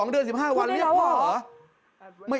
๒เดือน๑๕วันเรียกพ่อ